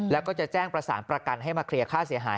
แล้วก็จะแจ้งประสานประกันให้มาเคลียร์ค่าเสียหาย